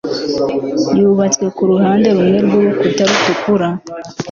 yubatswe kuruhande rumwe rwurukuta rutukura